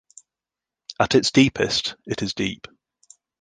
At its deepest, it is deep.